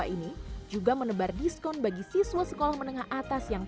ketika prita mengadakan kompetisi di instagram untuk konsumen loyal nature cakes